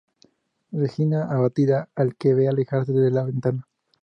Regina, abatida, la ve alejarse desde la ventana.